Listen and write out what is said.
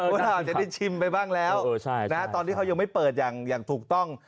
ว่าเราอาจจะได้ชิมไปบ้างแล้วตอนที่เขายังไม่เปิดอย่างถูกต้อง